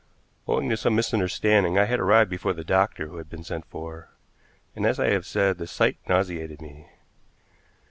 Owing to some misunderstanding I had arrived before the doctor who had been sent for, and, as I have said, the sight nauseated me.